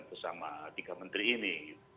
bersama tiga menteri ini